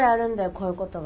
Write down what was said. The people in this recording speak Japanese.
こういうことが。